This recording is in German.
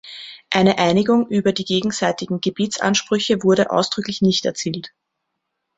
Eine Einigung über die gegenseitigen Gebietsansprüche wurde ausdrücklich nicht erzielt.